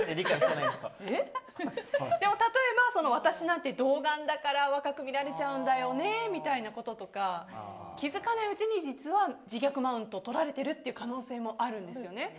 例えば私なんて童顔だから若く見られちゃうんだよねとか気づかないうちに実は自虐マウントを取られている可能性もあるんですよね。